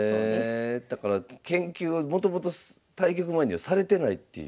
へえだから研究はもともと対局前にはされてないっていう。